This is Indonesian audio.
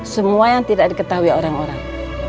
semua yang tidak diketahui orang orang